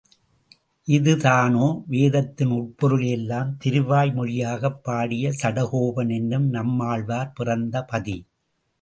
இதுதானோ வேதத்தின் உட்பொருளையெல்லாம் திருவாய் மொழியாகப் பாடிய சடகோபன் என்னும் நம்மாழ்வார் பிறந்த பதி.